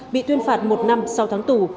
bị tuyên phạt một năm sau tháng tủ